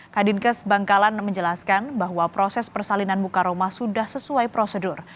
kadinkes bangkalan menjelaskan bahwa proses persalinan buka rumah sudah sesuai prosedur